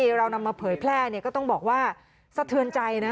เรานำมาเผยแพร่เนี่ยก็ต้องบอกว่าสะเทือนใจนะ